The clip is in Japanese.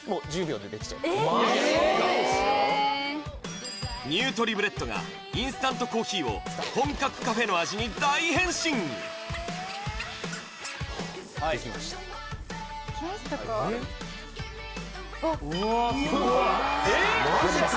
大好きニュートリブレットがインスタントコーヒーを本格カフェの味に大変身はいできました・わあすごい・マジか・